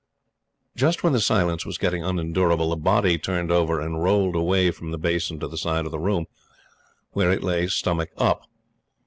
Just when the silence was getting unendurable, the body turned over and rolled away from the basin to the side of the room, where it lay stomach up.